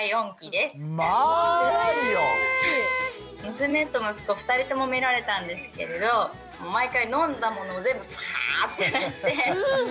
娘と息子２人ともみられたんですけれど毎回飲んだものを全部パーッて出して。